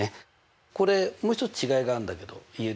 これもう一つ違いがあるんだけど言える？